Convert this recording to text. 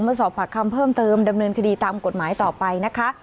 มาสอบปากคำเพิ่มเติมดำเนินคดีตามกฎหมายต่อไปนะคะ